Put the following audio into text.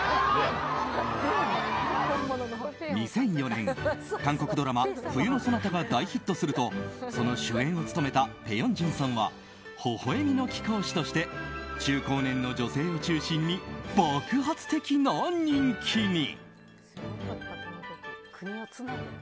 ２００４年、韓国ドラマ「冬のソナタ」が大ヒットするとその主演を務めたペ・ヨンジュンさんはほほ笑みの貴公子として中高年の女性を中心に爆発的な人気に。